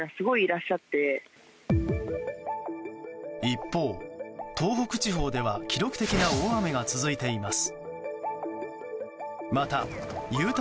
一方、東北地方では記録的な大雨が続いています。